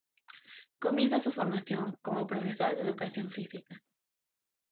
Comienza su Formación como Profesor de Educación Física.